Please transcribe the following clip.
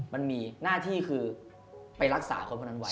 มันมีหน้าที่คือไปรักษาคนคนนั้นไว้